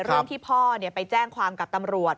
เรื่องที่พ่อไปแจ้งความกับตำรวจ